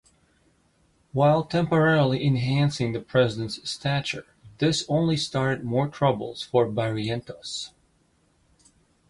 While temporarily enhancing the president's stature, this only started more troubles for Barrientos.